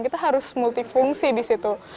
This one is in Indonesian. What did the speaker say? kita harus multifungsi di situ